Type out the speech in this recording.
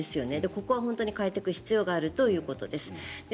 ここは本当に変えていく必要があるということです。